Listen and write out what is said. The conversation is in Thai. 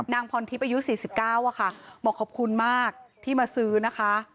นางพรทิพย์อายุ๔๙บอกขอบคุณมากที่มาซื้อนะคะ